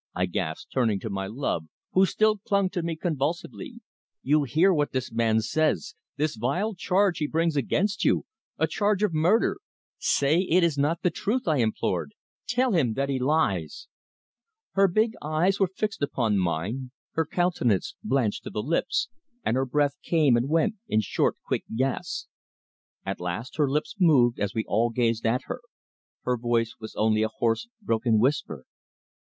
I gasped, turning to my love, who still clung to me convulsively. "You hear what this man says this vile charge he brings against you a charge of murder! Say that it is not the truth," I implored. "Tell me that he lies!" Her big eyes were fixed upon mine, her countenance blanched to the lips, and her breath came and went in short, quick gasps. At last her lips moved, as we all gazed at her. Her voice was only a hoarse, broken whisper.